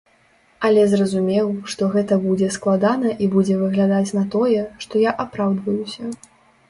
Але зразумеў, што гэта будзе складана і будзе выглядаць на тое, што я апраўдваюся.